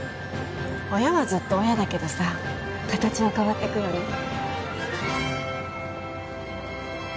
親はずっと親だけどさ形は変わってくよね